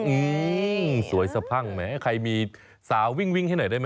อืมสวยสะพั่งแหมใครมีสาววิ่งวิ่งให้หน่อยได้ไหม